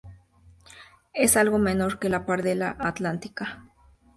Es algo menor que la pardela atlántica.